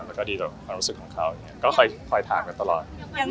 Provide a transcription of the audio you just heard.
มันก็ดีต่อความรู้สึกของเขาก็คอยถามกันตลอด